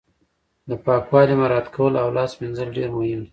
د پاکوالي مراعت کول او لاس مینځل ډیر مهم دي